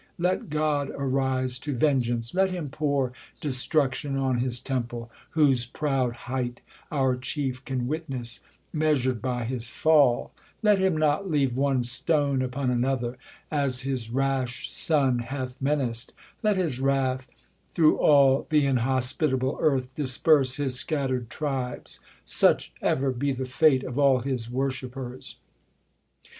Let God arise to vengeance ; let him pour ^ Destruction on his temple, wliose proud height Our chief can witness, measur'd by his fall : Let him not leave one stone upon another, As his rash Son hath menac'd ; let his wrath , Through all th' inhospitable earth disperse His scatter'd tribes ; such ever be the fate Of all his w^orshippers